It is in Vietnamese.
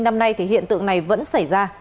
năm nay thì hiện tượng này vẫn xảy ra